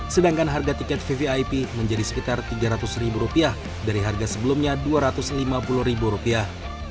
sedangkan harga tiket vvip menjadi sekitar tiga ratus ribu rupiah dari harga sebelumnya dua ratus lima puluh ribu rupiah